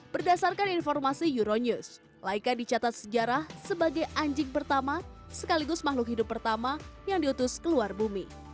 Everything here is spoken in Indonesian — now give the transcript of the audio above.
berdasarkan informasi euronews laika dicatat sejarah sebagai anjing pertama sekaligus makhluk hidup pertama yang diutus ke luar bumi